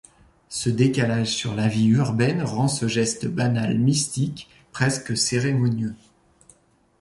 Ce décalage sur la vie urbaine rend ce geste banal mystique, presque cérémonieux.